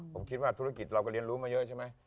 ผมคิดว่าธุรกิจเราก็เรียนรู้มาเยอะใช่ไหม